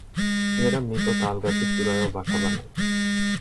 এরা মৃত তাল গাছের চুড়ায় ও বাসা বানায়।